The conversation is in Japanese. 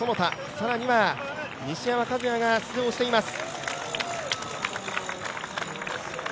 更には、西山和弥が出場しています。